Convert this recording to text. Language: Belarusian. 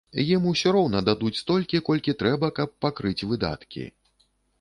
Ім усё роўна дадуць столькі, колькі трэба, каб пакрыць выдаткі.